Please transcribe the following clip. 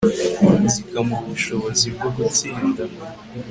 zikamuha ubushobozi bwo gutsinda